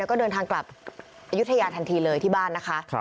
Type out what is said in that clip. แล้วก็เดินทางกลับอายุทยาทันทีเลยที่บ้านนะคะ